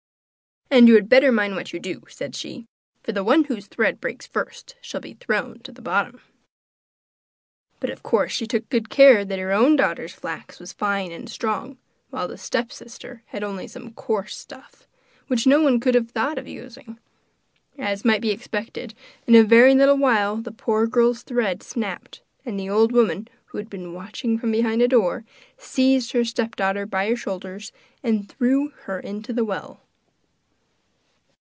'And you had better mind what you do,' said she, 'for the one whose thread breaks first shall be thrown to the bottom.' But of course she took good care that her own daughter's flax was fine and strong, while the stepsister had only some coarse stuff, which no one would have thought of using. As might be expected, in a very little while the poor girl's thread snapped, and the old woman, who had been watching from behind a door, seized her stepdaughter by her shoulders, and threw her into the well.